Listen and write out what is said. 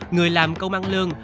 người làm công ăn lương